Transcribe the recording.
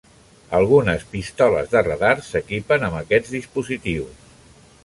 Algunes pistoles de radar s'equipen amb aquests dispositius.